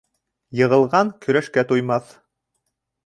Йығылған көрәшкә туймаҫ